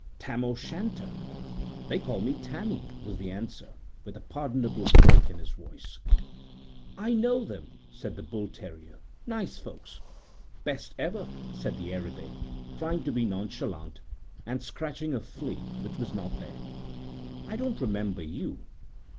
"Tam o'Shanter. They call me Tammy," was the answer, with a pardonable break in the voice. "I know them," said the bull terrier. "Nice folks." "Best ever," said the Airedale, trying to be nonchalant, and scratching a flea which was not there. "I don't remember you.